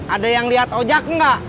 ada yang liat aja kong ya